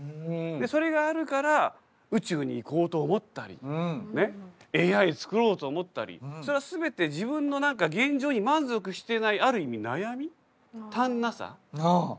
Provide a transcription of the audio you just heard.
それがあるから宇宙に行こうと思ったりＡＩつくろうと思ったりそれは全て自分の現状に満足してないある意味悩み足んなさがあるから。